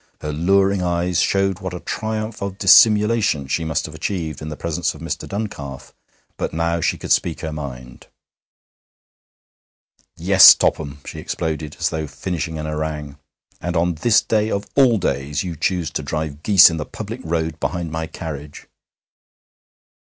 Her louring eyes showed what a triumph of dissimulation she must have achieved in the presence of Mr. Duncalf, but now she could speak her mind. 'Yes, Topham!' she exploded, as though finishing an harangue. 'And on this day of all days you choose to drive geese in the public road behind my carriage!'